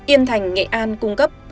yên thành nghệ an cung cấp